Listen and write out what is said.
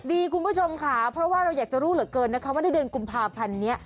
คุณผู้ชมค่ะเพราะว่าเราอยากจะรู้เหลือเกินนะคะว่าในเดือนกุมภาพันธ์นี้